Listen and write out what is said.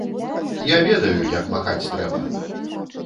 Я ведаю, як махаць трэба!